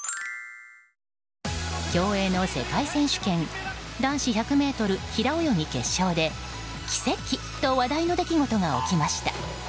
競泳の世界選手権男子１００ｍ平泳ぎ決勝で奇跡と話題の出来事が起きました。